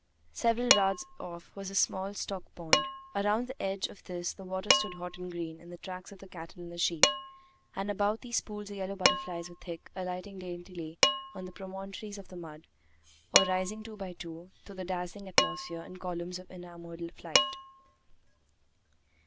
Several yards off was a small stock pond. Around the edge of this the water stood hot and green in the tracks of the cattle and the sheep, and about these pools the yellow butterflies were thick, alighting daintily on the promontories of the mud, or rising two by two through the dazzling atmosphere in columns of enamored flight.